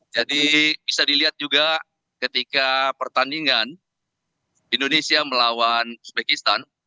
jadi bisa dilihat juga ketika pertandingan indonesia melawan uzbekistan